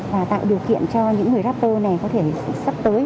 và tạo điều kiện cho những người rapple này có thể sắp tới